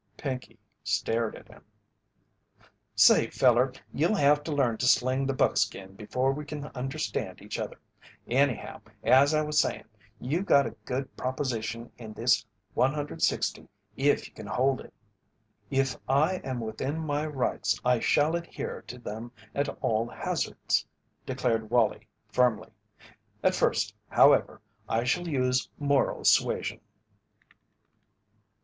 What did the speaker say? Pinkey stared at him. "Say, feller, you'll have to learn to sling the buckskin before we can understand each other. Anyhow, as I was sayin', you got a good proposition in this 160 if you can hold it." "If I am within my rights I shall adhere to them at all hazards," declared Wallie, firmly. "At first, however, I shall use moral suasion."